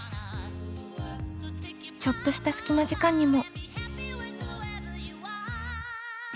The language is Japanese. ちょっとした隙間時間にも。